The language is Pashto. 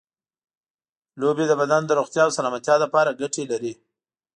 لوبې د بدن د روغتیا او سلامتیا لپاره ګټې لري.